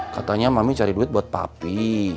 katanya mami cari duit buat papi